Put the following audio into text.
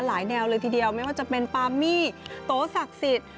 หลายแนวเลยทีเดียวไม่ว่าจะเป็นปามี่โตสักศิษย์